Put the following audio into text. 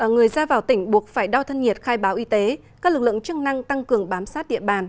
người ra vào tỉnh buộc phải đo thân nhiệt khai báo y tế các lực lượng chức năng tăng cường bám sát địa bàn